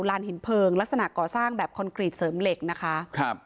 ลานหินเพลิงลักษณะก่อสร้างแบบคอนกรีตเสริมเหล็กนะคะครับ